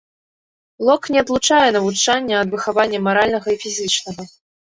Лок не адлучае навучання ад выхавання маральнага і фізічнага.